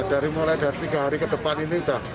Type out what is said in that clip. dari mulai dari tiga hari ke depan ini sudah